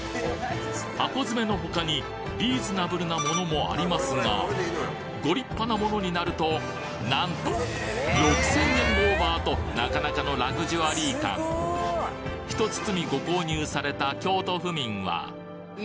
箱詰めの他にリーズナブルなものもありますがご立派なものになると何と６，０００円オーバーとなかなかのラグジュアリー感１包あ。